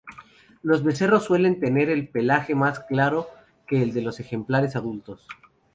Los becerros suelen tener el pelaje más claro que el de los ejemplares adultos.